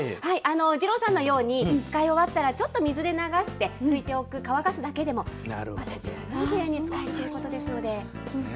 二郎さんのように使い終わったら、ちょっと水で流して、拭いておく、乾かすだけでもいいということですので。